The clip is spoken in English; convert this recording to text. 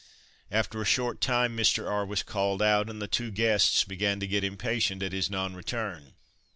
After a short time Mr. R. was called out, and the two guests began to get impatient at his non return.